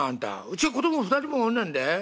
うちは子供が２人もおんねんで。